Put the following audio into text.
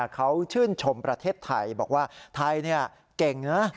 เขาชื่นชมประเทศไทยบอกว่าไทยเก่งนะ